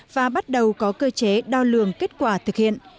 và bắt đầu có cơ chế đo lường kết quả thực hiện